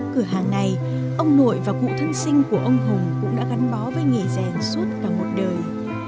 cửa hàng này ông nội và cụ thân sinh của ông hùng cũng đã gắn bó với nghề rèn suốt cả một đời